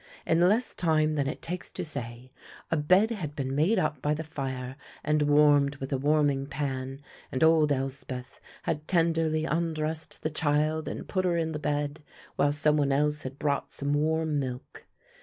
In less time than it takes to say, a bed had been made up by the fire and warmed with a warming pan, and old Elspeth had tenderly undressed the child and put her in the bed, while some one else had brought some warm milk.